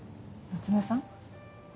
夏目さん？